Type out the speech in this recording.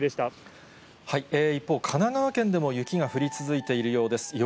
一方、神奈川県でも雪が降り続いているようです。